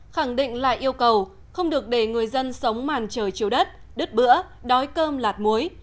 khẳng định lại yêu cầu không được để người dân sống màn trời chiếu đất đứt bữa đói cơm lạt muối